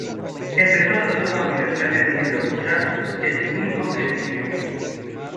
Entre todos los vampiros que han decidido luchar, es el único que decide huir.